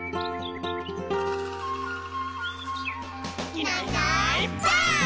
「いないいないばあっ！」